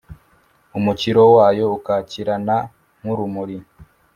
umukiro wayo ukakirana nk’urumuri.